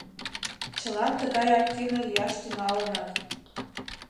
Чылан тыгай активный лияш тӱҥалыныт.